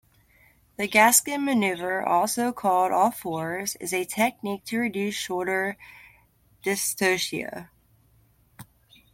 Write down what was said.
The Gaskin Maneuver, also called all fours, is a technique to reduce shoulder dystocia.